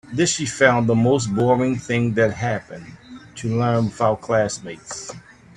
This she found the most boring thing that happened, to learn without classmates.